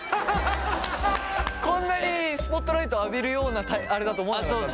こんなにスポットライト浴びるようなあれだと思わなかったんだ？